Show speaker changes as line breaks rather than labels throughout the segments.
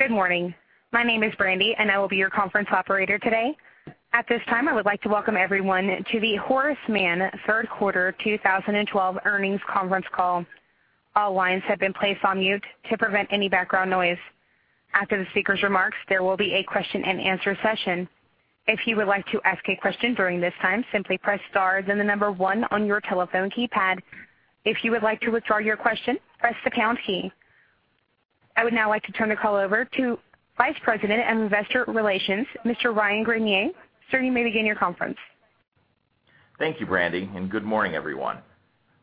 Good morning. My name is Brandy, and I will be your conference operator today. At this time, I would like to welcome everyone to the Horace Mann third quarter 2012 earnings conference call. All lines have been placed on mute to prevent any background noise. After the speaker's remarks, there will be a question and answer session. If you would like to ask a question during this time, simply press star, then the number one on your telephone keypad. If you would like to withdraw your question, press the pound key. I would now like to turn the call over to Vice President of Investor Relations, Mr. Ryan Greenier. Sir, you may begin your conference.
Thank you, Brandy. Good morning, everyone.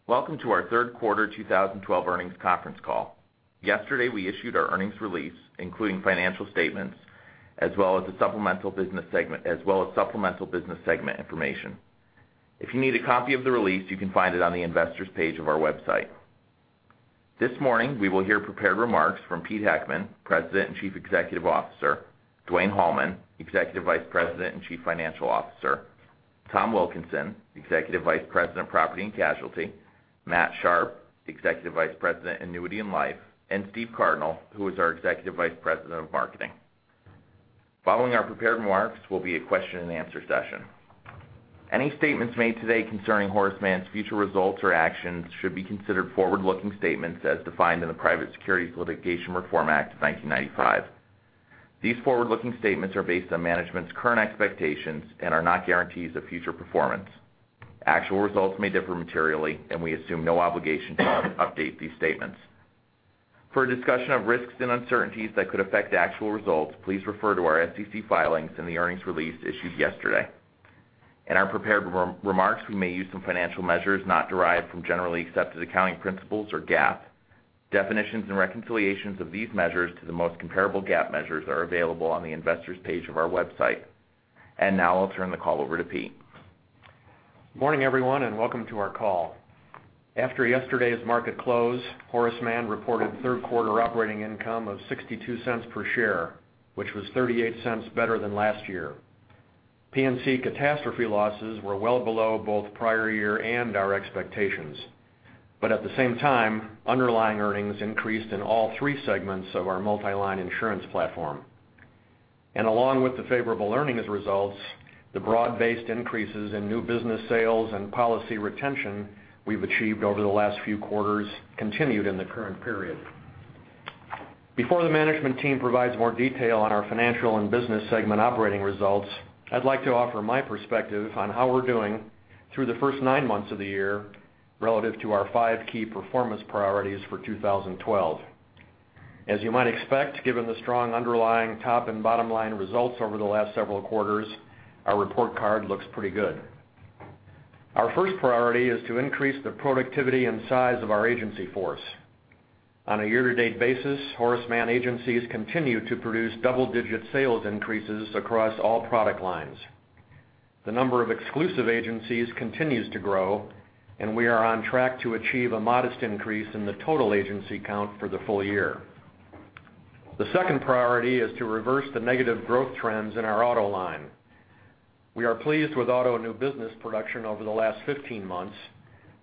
Welcome to our third quarter 2012 earnings conference call. Yesterday, we issued our earnings release, including financial statements, as well as supplemental business segment information. If you need a copy of the release, you can find it on the investor's page of our website. This morning, we will hear prepared remarks from Pete Heckman, President and Chief Executive Officer; Dwayne Hallman, Executive Vice President and Chief Financial Officer; Tom Wilkinson, Executive Vice President, Property and Casualty; Matt Sharpe, Executive Vice President, Annuity and Life; and Steve Cardinal, who is our Executive Vice President of Marketing. Following our prepared remarks will be a question and answer session. Any statements made today concerning Horace Mann's future results or actions should be considered forward-looking statements as defined in the Private Securities Litigation Reform Act of 1995. These forward-looking statements are based on management's current expectations and are not guarantees of future performance. Actual results may differ materially, and we assume no obligation to update these statements. For a discussion of risks and uncertainties that could affect actual results, please refer to our SEC filings and the earnings release issued yesterday. In our prepared remarks, we may use some financial measures not derived from generally accepted accounting principles, or GAAP. Definitions and reconciliations of these measures to the most comparable GAAP measures are available on the investor's page of our website. Now I'll turn the call over to Pete.
Good morning, everyone, and welcome to our call. After yesterday's market close, Horace Mann reported third quarter operating income of $0.62 per share, which was $0.38 better than last year. P&C catastrophe losses were well below both prior year and our expectations. At the same time, underlying earnings increased in all three segments of our multi-line insurance platform. Along with the favorable earnings results, the broad-based increases in new business sales and policy retention we've achieved over the last few quarters continued in the current period. Before the management team provides more detail on our financial and business segment operating results, I'd like to offer my perspective on how we're doing through the first nine months of the year relative to our five key performance priorities for 2012. As you might expect, given the strong underlying top and bottom-line results over the last several quarters, our report card looks pretty good. Our first priority is to increase the productivity and size of our agency force. On a year-to-date basis, Horace Mann agencies continue to produce double-digit sales increases across all product lines. The number of exclusive agencies continues to grow, and we are on track to achieve a modest increase in the total agency count for the full year. The second priority is to reverse the negative growth trends in our auto line. We are pleased with auto new business production over the last 15 months.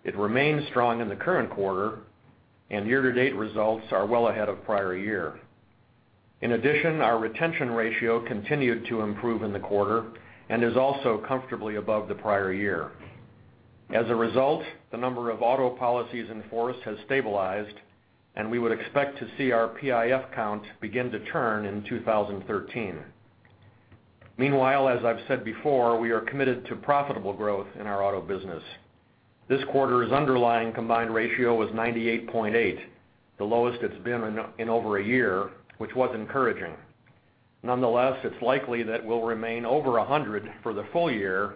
It remains strong in the current quarter, and year-to-date results are well ahead of prior year. In addition, our retention ratio continued to improve in the quarter and is also comfortably above the prior year. As a result, the number of auto policies in force has stabilized, and we would expect to see our PIF count begin to turn in 2013. Meanwhile, as I've said before, we are committed to profitable growth in our auto business. This quarter's underlying combined ratio was 98.8, the lowest it's been in over a year, which was encouraging. Nonetheless, it's likely that we'll remain over 100 for the full year,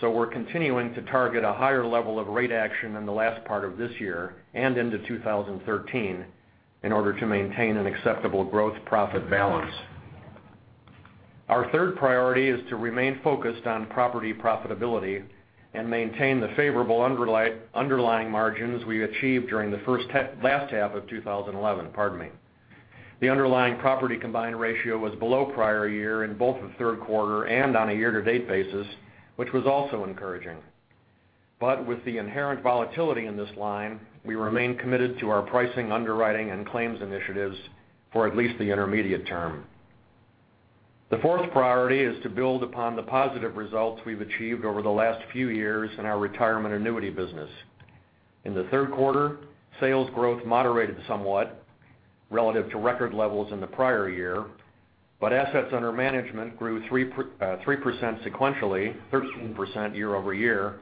so we're continuing to target a higher level of rate action in the last part of this year and into 2013 in order to maintain an acceptable growth-profit balance. Our third priority is to remain focused on property profitability and maintain the favorable underlying margins we achieved during the last half of 2011. The underlying property combined ratio was below prior year in both the third quarter and on a year-to-date basis, which was also encouraging. With the inherent volatility in this line, we remain committed to our pricing, underwriting, and claims initiatives for at least the intermediate term. The fourth priority is to build upon the positive results we've achieved over the last few years in our retirement annuity business. In the third quarter, sales growth moderated somewhat relative to record levels in the prior year, but assets under management grew 3% sequentially, 13% year-over-year,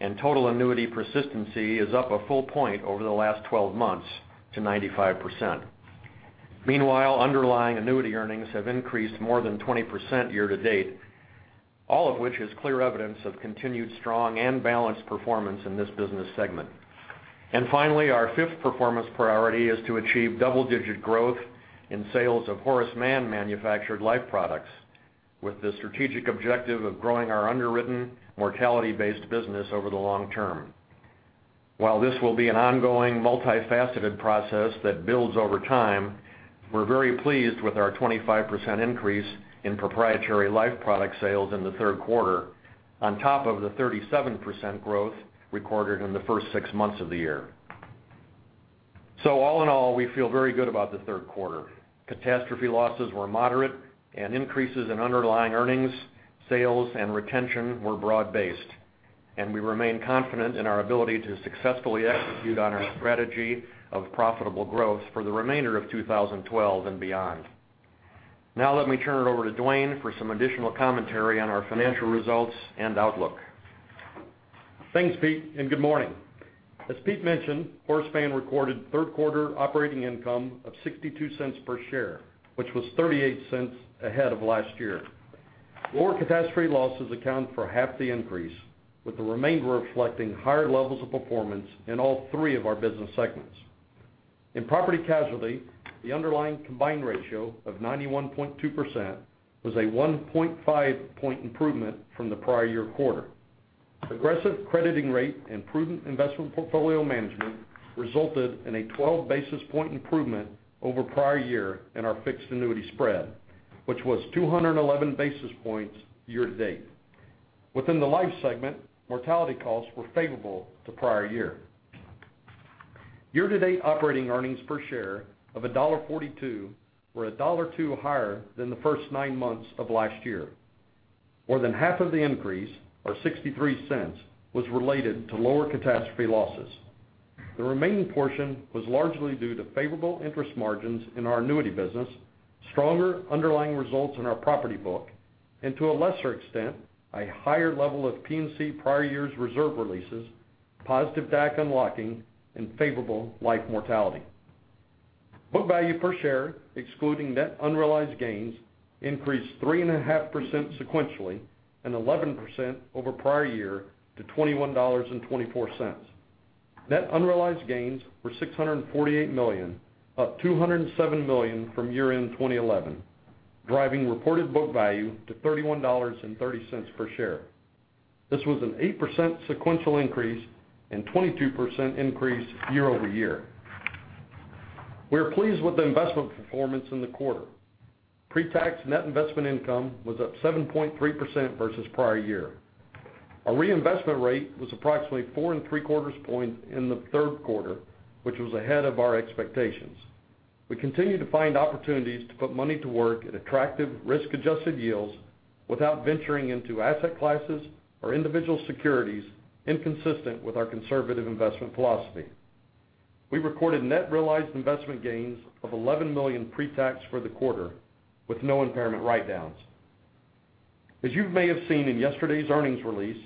and total annuity persistency is up a full point over the last 12 months to 95%. Meanwhile, underlying annuity earnings have increased more than 20% year-to-date, all of which is clear evidence of continued strong and balanced performance in this business segment. Finally, our fifth performance priority is to achieve double-digit growth in sales of Horace Mann manufactured life products, with the strategic objective of growing our underwritten mortality-based business over the long term. While this will be an ongoing, multifaceted process that builds over time, we're very pleased with our 25% increase in proprietary life product sales in the third quarter on top of the 37% growth recorded in the first six months of the year. All in all, we feel very good about the third quarter. Catastrophe losses were moderate, and increases in underlying earnings, sales, and retention were broad-based. We remain confident in our ability to successfully execute on our strategy of profitable growth for the remainder of 2012 and beyond. Now let me turn it over to Dwayne for some additional commentary on our financial results and outlook.
Thanks, Pete, and good morning. As Pete mentioned, Horace Mann recorded third quarter operating income of $0.62 per share, which was $0.38 ahead of last year. Lower catastrophe losses account for half the increase, with the remainder reflecting higher levels of performance in all three of our business segments. In Property and Casualty, the underlying combined ratio of 91.2% was a 1.5-point improvement from the prior year quarter. Progressive crediting rate and prudent investment portfolio management resulted in a 12-basis-point improvement over prior year in our fixed annuity spread, which was 211 basis points year to date. Within the Life segment, mortality costs were favorable to prior year. Year-to-date operating earnings per share of $1.42 were $1.20 higher than the first nine months of last year. More than half of the increase, or $0.63, was related to lower catastrophe losses. The remaining portion was largely due to favorable interest margins in our Annuity business, stronger underlying results in our Property book, and to a lesser extent, a higher level of P&C prior year's reserve releases, positive DAC unlocking, and favorable Life mortality. Book value per share, excluding net unrealized gains, increased 3.5% sequentially and 11% over prior year to $21.24. Net unrealized gains were $648 million, up $207 million from year-end 2011, driving reported book value to $31.30 per share. This was an 8% sequential increase and 22% increase year-over-year. We are pleased with the investment performance in the quarter. Pre-tax net investment income was up 7.3% versus prior year. Our reinvestment rate was approximately 4.75 points in the third quarter, which was ahead of our expectations. We continue to find opportunities to put money to work at attractive risk-adjusted yields without venturing into asset classes or individual securities inconsistent with our conservative investment philosophy. We recorded net realized investment gains of $11 million pre-tax for the quarter, with no impairment write-downs. As you may have seen in yesterday's earnings release,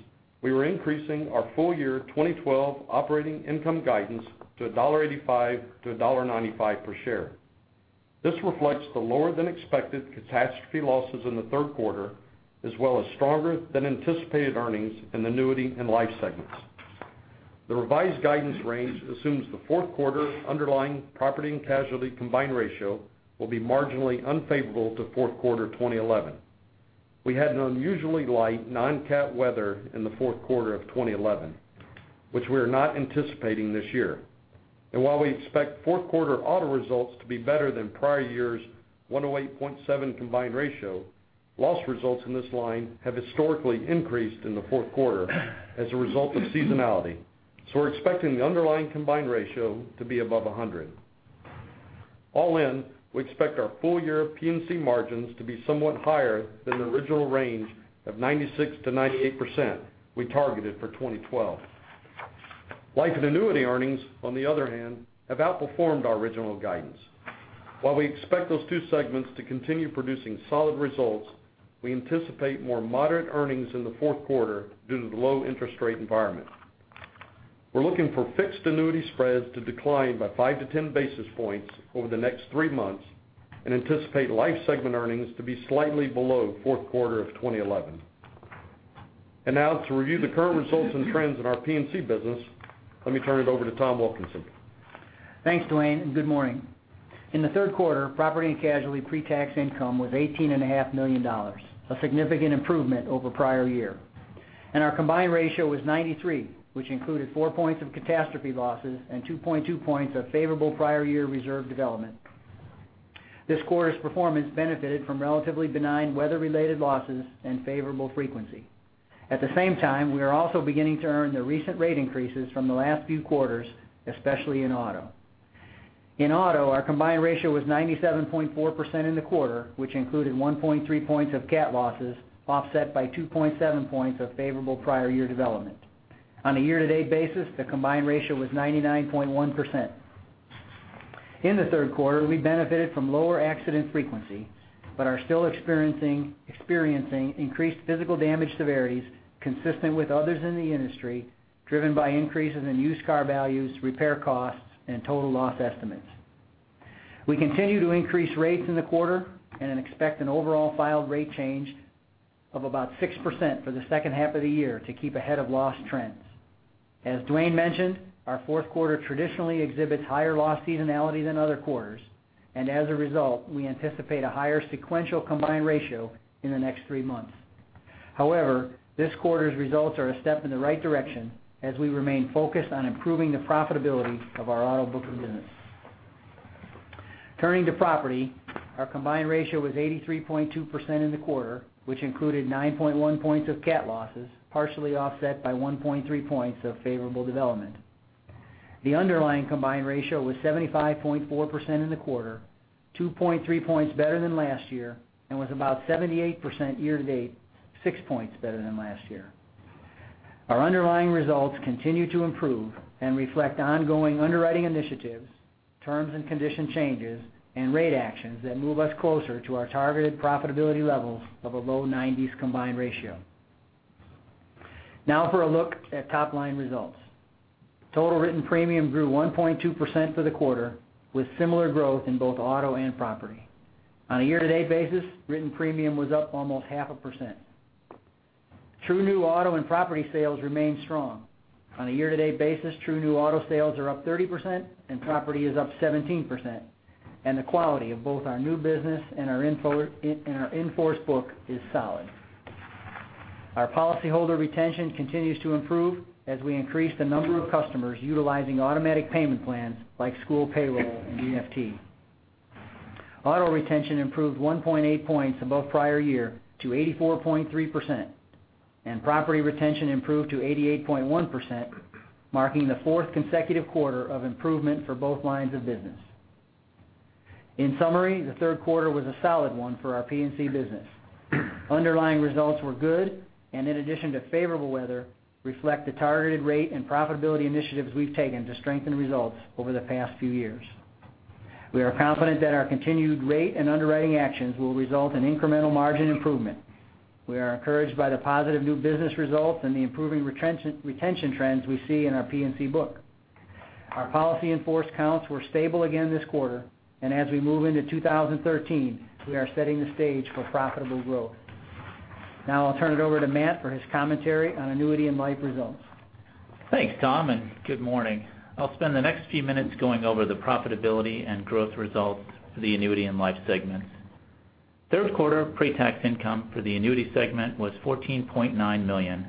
we are increasing our full year 2012 operating income guidance to $1.85-$1.95 per share. This reflects the lower than expected catastrophe losses in the third quarter, as well as stronger than anticipated earnings in the Annuity and Life segments. The revised guidance range assumes the fourth quarter underlying Property and Casualty combined ratio will be marginally unfavorable to fourth quarter 2011. We had an unusually light non-cat weather in the fourth quarter of 2011, which we are not anticipating this year. While we expect fourth quarter auto results to be better than prior year's 108.7 combined ratio, loss results in this line have historically increased in the fourth quarter as a result of seasonality. We're expecting the underlying combined ratio to be above 100. All in, we expect our full year P&C margins to be somewhat higher than the original range of 96%-98% we targeted for 2012. Life and Annuity earnings, on the other hand, have outperformed our original guidance. While we expect those two segments to continue producing solid results, we anticipate more moderate earnings in the fourth quarter due to the low interest rate environment. We're looking for fixed annuity spreads to decline by 5-10 basis points over the next three months and anticipate Life segment earnings to be slightly below fourth quarter of 2011. Now, to review the current results and trends in our P&C business, let me turn it over to Tom Wilkinson.
Thanks, Dwayne, and good morning. In the third quarter, property and casualty pre-tax income was $18.5 million, a significant improvement over prior year. Our combined ratio was 93, which included four points of catastrophe losses and 2.2 points of favorable prior year reserve development. This quarter's performance benefited from relatively benign weather-related losses and favorable frequency. At the same time, we are also beginning to earn the recent rate increases from the last few quarters, especially in auto. In auto, our combined ratio was 97.4% in the quarter, which included 1.3 points of cat losses, offset by 2.7 points of favorable prior year development. On a year-to-date basis, the combined ratio was 99.1%. In the third quarter, we benefited from lower accident frequency, but are still experiencing increased physical damage severities consistent with others in the industry, driven by increases in used car values, repair costs, and total loss estimates. We continue to increase rates in the quarter and expect an overall filed rate change of about 6% for the second half of the year to keep ahead of loss trends. As Dwayne mentioned, our fourth quarter traditionally exhibits higher loss seasonality than other quarters, as a result, we anticipate a higher sequential combined ratio in the next three months. However, this quarter's results are a step in the right direction as we remain focused on improving the profitability of our auto book of business. Turning to property, our combined ratio was 83.2% in the quarter, which included 9.1 points of cat losses, partially offset by 1.3 points of favorable development. The underlying combined ratio was 75.4% in the quarter, 2.3 points better than last year, was about 78% year-to-date, six points better than last year. Our underlying results continue to improve, reflect ongoing underwriting initiatives, terms and condition changes, rate actions that move us closer to our targeted profitability levels of a low 90s combined ratio. Now for a look at top-line results. Total written premium grew 1.2% for the quarter, with similar growth in both auto and property. On a year-to-date basis, written premium was up almost half a percent. True new auto and property sales remain strong. On a year-to-date basis, true new auto sales are up 30%, property is up 17%, the quality of both our new business and our in-force book is solid. Our policyholder retention continues to improve as we increase the number of customers utilizing automatic payment plans like school payroll and EFT. Auto retention improved 1.8 points above prior year to 84.3%, and property retention improved to 88.1%, marking the fourth consecutive quarter of improvement for both lines of business. In summary, the third quarter was a solid one for our P&C business. Underlying results were good, and in addition to favorable weather, reflect the targeted rate and profitability initiatives we've taken to strengthen results over the past few years. We are confident that our continued rate and underwriting actions will result in incremental margin improvement. We are encouraged by the positive new business results and the improving retention trends we see in our P&C book. Our policy in force counts were stable again this quarter, and as we move into 2013, we are setting the stage for profitable growth. Now I'll turn it over to Matt for his commentary on annuity and life results.
Thanks, Tom, and good morning. I'll spend the next few minutes going over the profitability and growth results for the annuity and life segments. Third quarter pre-tax income for the annuity segment was $14.9 million,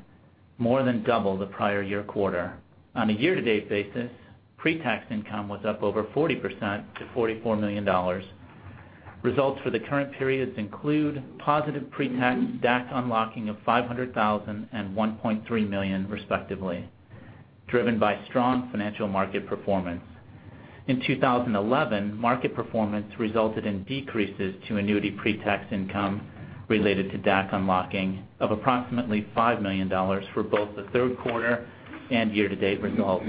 more than double the prior year quarter. On a year-to-date basis, pre-tax income was up over 40% to $44 million. Results for the current periods include positive pre-tax DAC unlocking of $500,000 and $1.3 million respectively, driven by strong financial market performance. In 2011, market performance resulted in decreases to annuity pre-tax income related to DAC unlocking of approximately $5 million for both the third quarter and year-to-date results.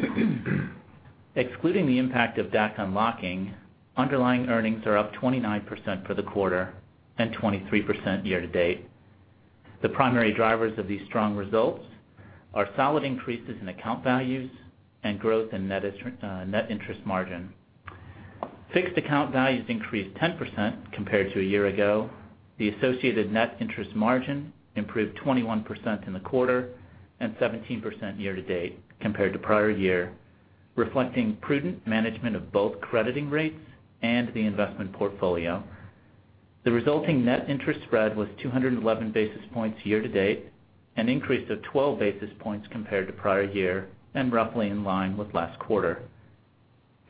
Excluding the impact of DAC unlocking, underlying earnings are up 29% for the quarter and 23% year to date. The primary drivers of these strong results are solid increases in account values and growth in net interest margin. Fixed account values increased 10% compared to a year ago. The associated net interest margin improved 21% in the quarter and 17% year to date compared to prior year, reflecting prudent management of both crediting rates and the investment portfolio. The resulting net interest spread was 211 basis points year to date, an increase of 12 basis points compared to prior year and roughly in line with last quarter.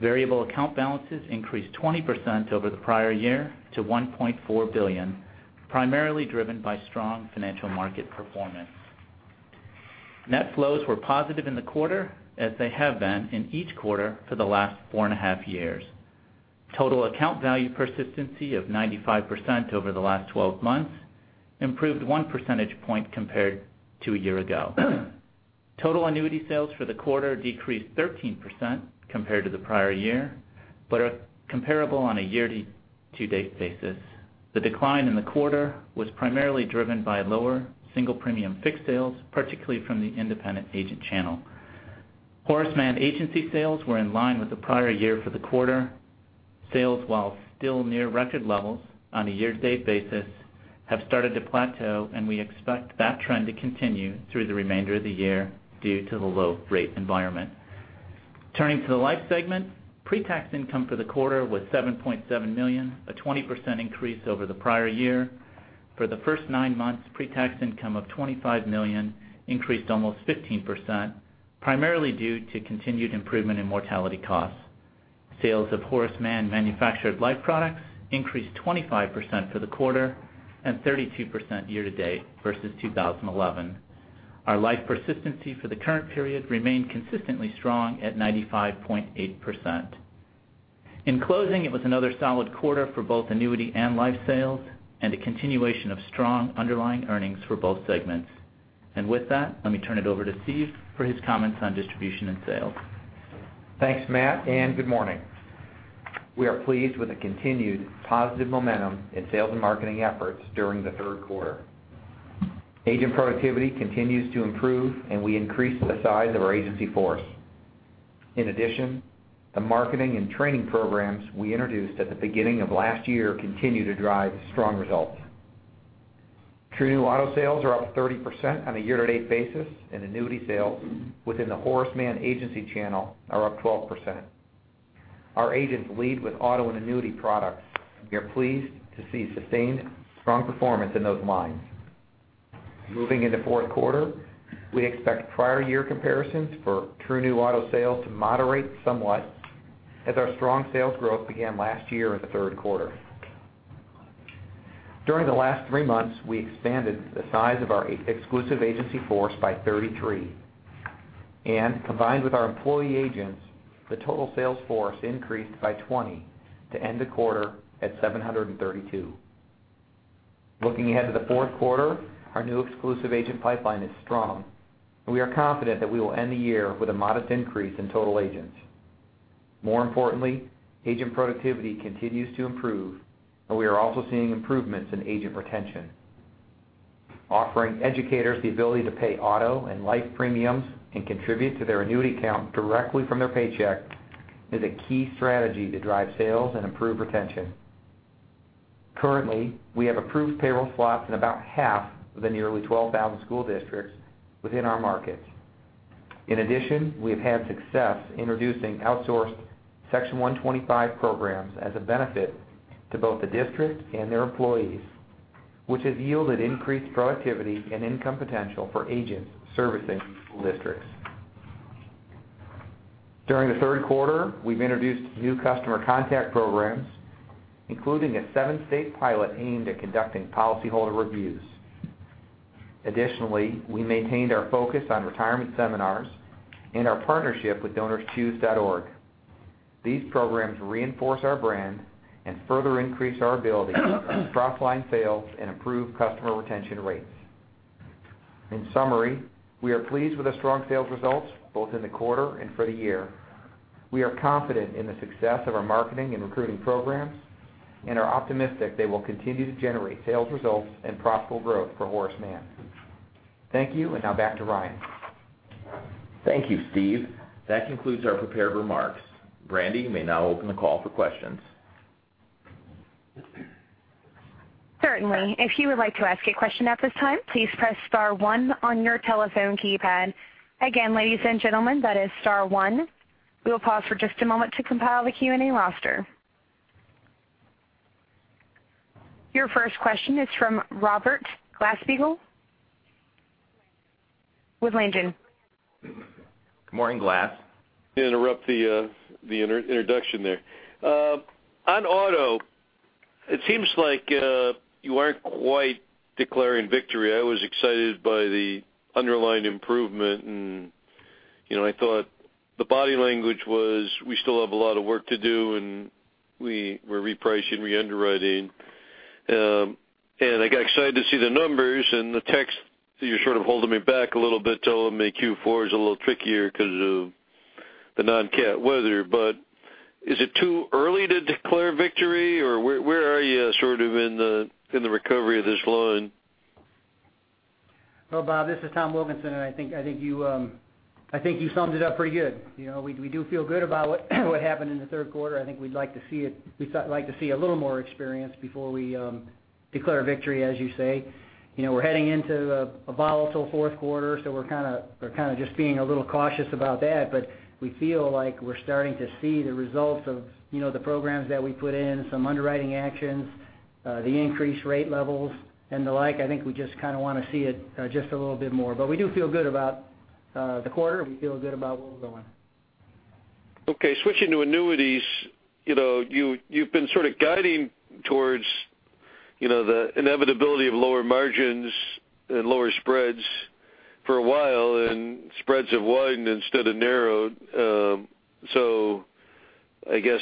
Variable account balances increased 20% over the prior year to $1.4 billion, primarily driven by strong financial market performance. Net flows were positive in the quarter, as they have been in each quarter for the last four and a half years. Total account value persistency of 95% over the last 12 months improved one percentage point compared to a year ago. Total annuity sales for the quarter decreased 13% compared to the prior year, but are comparable on a year-to-date basis. The decline in the quarter was primarily driven by lower single premium fixed sales, particularly from the independent agent channel. Horace Mann agency sales were in line with the prior year for the quarter. Sales, while still near record levels on a year-to-date basis, have started to plateau, and we expect that trend to continue through the remainder of the year due to the low rate environment. Turning to the life segment, pre-tax income for the quarter was $7.7 million, a 20% increase over the prior year. For the first nine months, pre-tax income of $25 million increased almost 15%, primarily due to continued improvement in mortality costs. Sales of Horace Mann manufactured life products increased 25% for the quarter and 32% year-to-date versus 2011. Our life persistency for the current period remained consistently strong at 95.8%. In closing, it was another solid quarter for both annuity and life sales and a continuation of strong underlying earnings for both segments. With that, let me turn it over to Steve for his comments on distribution and sales.
Thanks, Matt, and good morning. We are pleased with the continued positive momentum in sales and marketing efforts during the third quarter. Agent productivity continues to improve, and we increased the size of our agency force. In addition, the marketing and training programs we introduced at the beginning of last year continue to drive strong results. True new auto sales are up 30% on a year-to-date basis, and annuity sales within the Horace Mann agency channel are up 12%. Our agents lead with auto and annuity products. We are pleased to see sustained strong performance in those lines. Moving into fourth quarter, we expect prior year comparisons for true new auto sales to moderate somewhat as our strong sales growth began last year in the third quarter. During the last three months, we expanded the size of our exclusive agency force by 33, and combined with our employee agents, the total sales force increased by 20 to end the quarter at 732. Looking ahead to the fourth quarter, our new exclusive agent pipeline is strong, and we are confident that we will end the year with a modest increase in total agents. More importantly, agent productivity continues to improve, and we are also seeing improvements in agent retention. Offering educators the ability to pay auto and life premiums and contribute to their annuity account directly from their paycheck is a key strategy to drive sales and improve retention. Currently, we have approved payroll slots in about half of the nearly 12,000 school districts within our markets. In addition, we have had success introducing outsourced Section 125 programs as a benefit to both the district and their employees, which has yielded increased productivity and income potential for agents servicing school districts. During the third quarter, we've introduced new customer contact programs, including a seven-state pilot aimed at conducting policy holder reviews. Additionally, we maintained our focus on retirement seminars and our partnership with DonorsChoose.org. These programs reinforce our brand and further increase our ability to cross-line sales and improve customer retention rates. In summary, we are pleased with the strong sales results both in the quarter and for the year. We are confident in the success of our marketing and recruiting programs and are optimistic they will continue to generate sales results and profitable growth for Horace Mann. Thank you, now back to Ryan.
Thank you, Steve. That concludes our prepared remarks. Brandy, you may now open the call for questions.
Certainly. If you would like to ask a question at this time, please press star one on your telephone keypad. Again, ladies and gentlemen, that is star one. We will pause for just a moment to compile the Q&A roster. Your first question is from Bob Glasspiegel with Langen.
Good morning, Glass.
Interrupt the introduction there. On auto, it seems like you aren't quite declaring victory. I was excited by the underlying improvement, and I thought the body language was, we still have a lot of work to do, and we're repricing, re-underwriting. I got excited to see the numbers and the text. You're sort of holding me back a little bit telling me Q4 is a little trickier because of the non-cat weather. Is it too early to declare victory, or where are you sort of in the recovery of this line?
Well, Bob, this is Tom Wilkinson, and I think you summed it up pretty good. We do feel good about what happened in the third quarter. I think we'd like to see a little more experience before we declare victory, as you say. We're heading into a volatile fourth quarter. We're kind of just being a little cautious about that. We feel like we're starting to see the results of the programs that we put in, some underwriting actions, the increased rate levels, and the like. I think we just kind of want to see it just a little bit more. We do feel good about the quarter, we feel good about where we're going.
Okay. Switching to annuities, you've been sort of guiding towards the inevitability of lower margins and lower spreads for a while. Spreads have widened instead of narrowed. I guess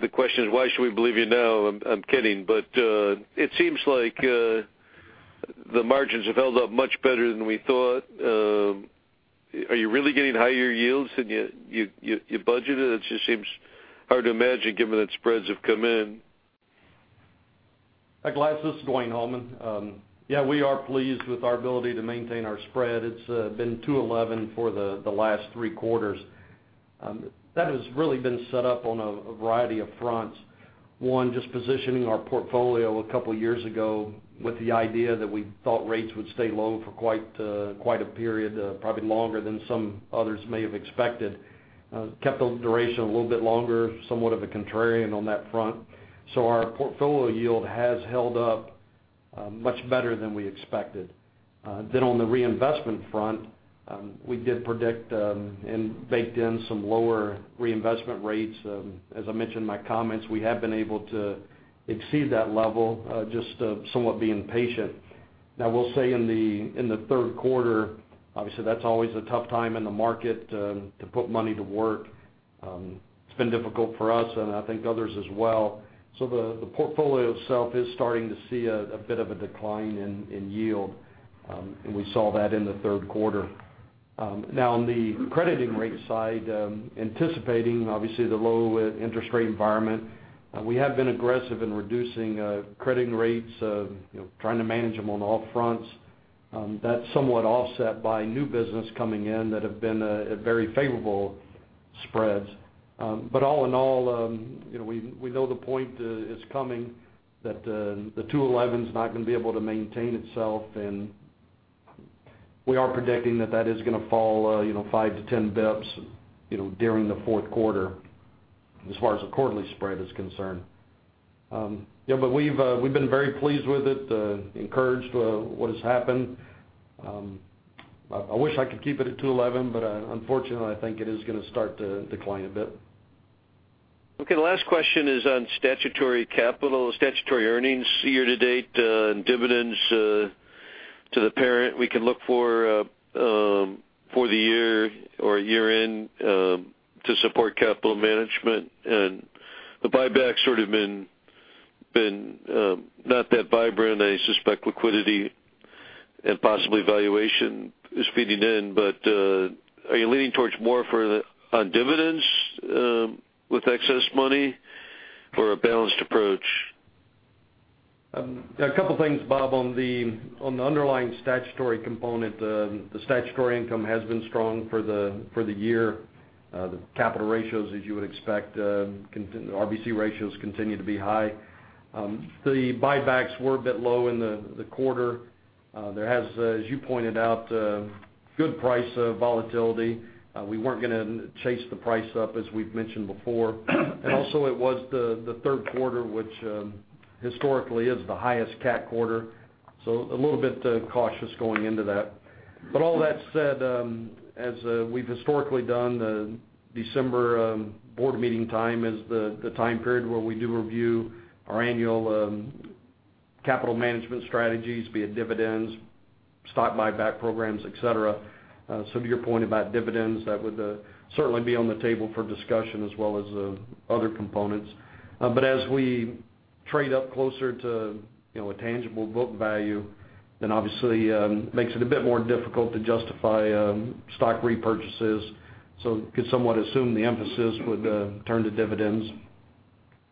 the question is, why should we believe you now? I'm kidding, but it seems like the margins have held up much better than we thought. Are you really getting higher yields than you budgeted? It just seems hard to imagine given that spreads have come in.
Hi, Glasspiegel, this is Dwayne D. Hallman. Yeah, we are pleased with our ability to maintain our spread. It's been 211 for the last three quarters. That has really been set up on a variety of fronts. One, just positioning our portfolio a couple of years ago with the idea that we thought rates would stay low for quite a period, probably longer than some others may have expected. Kept the duration a little bit longer, somewhat of a contrarian on that front. Our portfolio yield has held up much better than we expected. On the reinvestment front, we did predict and baked in some lower reinvestment rates. As I mentioned in my comments, we have been able to exceed that level, just somewhat being patient. We'll say in the third quarter, obviously, that's always a tough time in the market to put money to work. It's been difficult for us and I think others as well. The portfolio itself is starting to see a bit of a decline in yield, and we saw that in the third quarter. On the crediting rate side, anticipating, obviously, the low interest rate environment, we have been aggressive in reducing crediting rates, trying to manage them on all fronts. That's somewhat offset by new business coming in that have been at very favorable spreads. All in all, we know the point is coming that the 211's not going to be able to maintain itself. We are predicting that is going to fall 5 to 10 BPS during the fourth quarter as far as the quarterly spread is concerned. We've been very pleased with it, encouraged what has happened. I wish I could keep it at 211, unfortunately I think it is going to start to decline a bit.
Okay. The last question is on statutory capital, statutory earnings year to date, and dividends to the parent we can look for the year or year-end to support capital management. The buyback's sort of been not that vibrant. I suspect liquidity and possibly valuation is feeding in. Are you leaning towards more on dividends with excess money or a balanced approach?
A couple things, Bob. On the underlying statutory component, the statutory income has been strong for the year. The capital ratios, as you would expect, RBC ratios continue to be high. The buybacks were a bit low in the quarter. There has, as you pointed out, good price volatility. We weren't going to chase the price up, as we've mentioned before. Also it was the third quarter, which historically is the highest cat quarter, so a little bit cautious going into that. All that said, as we've historically done, the December board meeting time is the time period where we do review our annual capital management strategies, be it dividends, stock buyback programs, et cetera. To your point about dividends, that would certainly be on the table for discussion as well as other components. As we trade up closer to a tangible book value, then obviously makes it a bit more difficult to justify stock repurchases. Could somewhat assume the emphasis would turn to dividends.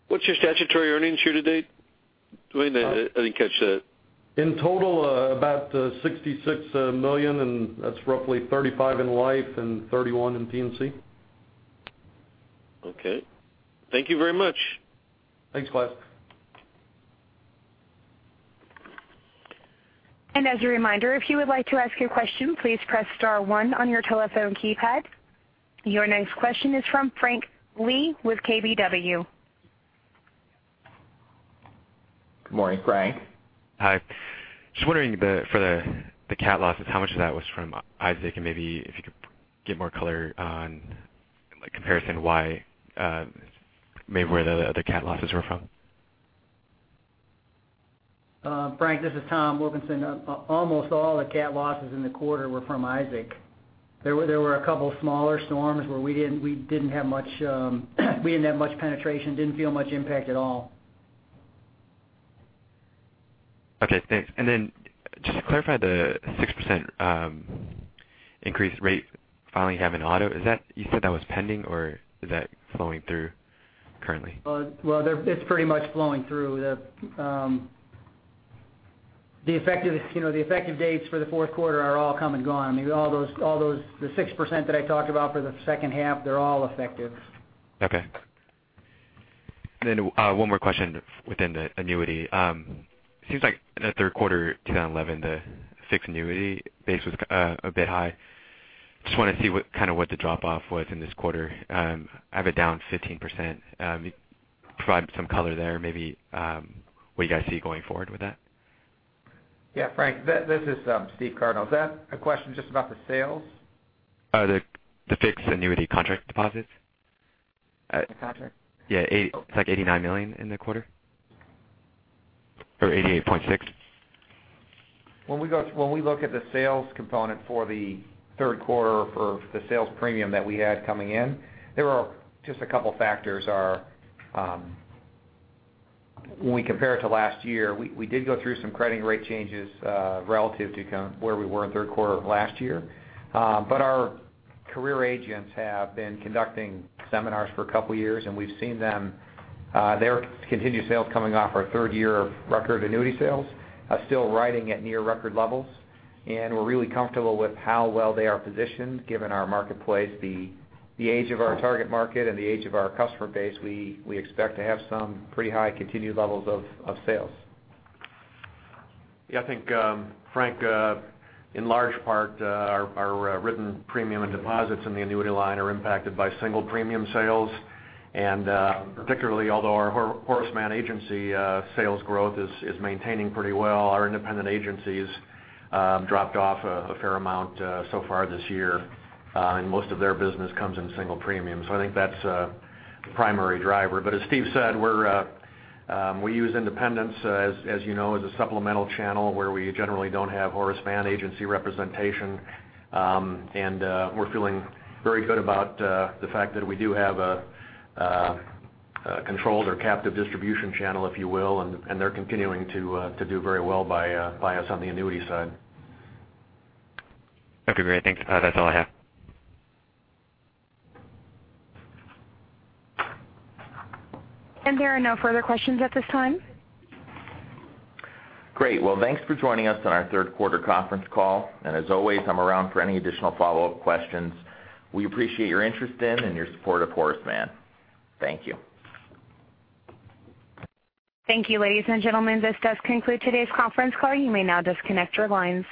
What's your statutory earnings year to date? Wait a minute, I didn't catch that.
In total, about $66 million. That's roughly $35 million in Life and $31 million in P&C.
Okay. Thank you very much.
Thanks, Bob.
As a reminder, if you would like to ask a question, please press star one on your telephone keypad. Your next question is from Frank Li with KBW.
Good morning, Frank.
Hi. Just wondering for the cat losses, how much of that was from Isaac, and maybe if you could give more color on comparison why, maybe where the other cat losses were from.
Frank, this is Tom Wilkinson. Almost all the cat losses in the quarter were from Isaac. There were a couple smaller storms where we didn't have much penetration, didn't feel much impact at all.
Okay, thanks. Just to clarify the 6% increase rate filing you have in auto, you said that was pending, or is that flowing through currently?
Well, it's pretty much flowing through. The effective dates for the fourth quarter are all come and gone. The 6% that I talked about for the second half, they're all effective.
Okay. Then one more question within the annuity. It seems like in the third quarter 2011, the fixed annuity base was a bit high. Just want to see kind of what the drop-off was in this quarter. I have it down 15%. Provide some color there, maybe what you guys see going forward with that.
Yeah, Frank, this is Steve Cardinal. Is that a question just about the sales?
The fixed annuity contract deposits.
The contract.
Yeah. It's like $89 million in the quarter. Or $88.6.
When we look at the sales component for the third quarter for the sales premium that we had coming in, there are just a couple factors when we compare it to last year, we did go through some crediting rate changes relative to where we were in third quarter of last year. Our career agents have been conducting seminars for a couple years, and we've seen their continued sales coming off our third year of record annuity sales are still riding at near record levels. We're really comfortable with how well they are positioned given our marketplace, the age of our target market, and the age of our customer base. We expect to have some pretty high continued levels of sales.
Yeah, I think, Frank, in large part, our written premium and deposits in the annuity line are impacted by single premium sales. Particularly, although our Horace Mann agency sales growth is maintaining pretty well, our independent agencies dropped off a fair amount so far this year. Most of their business comes in single premium. I think that's the primary driver. As Steve said, we use independents, as you know, as a supplemental channel where we generally don't have Horace Mann agency representation. We're feeling very good about the fact that we do have a controlled or captive distribution channel, if you will, and they're continuing to do very well by us on the annuity side.
Okay, great. Thanks. That's all I have.
There are no further questions at this time.
Well, thanks for joining us on our third quarter conference call, and as always, I am around for any additional follow-up questions. We appreciate your interest in and your support of Horace Mann. Thank you.
Thank you, ladies and gentlemen. This does conclude today's conference call. You may now disconnect your lines.